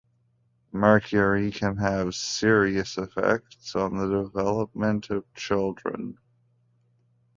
Mercury can have serious effects on the development of children.